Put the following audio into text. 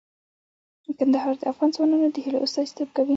کندهار د افغان ځوانانو د هیلو استازیتوب کوي.